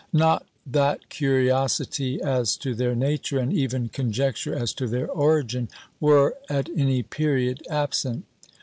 Not that curiosity as to their nature, and even conjecture as to their origin, were at any period absent.